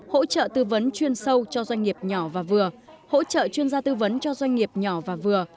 hỗ trợ tư vấn chuyên sâu cho doanh nghiệp nhỏ và vừa hỗ trợ chuyên gia tư vấn cho doanh nghiệp nhỏ và vừa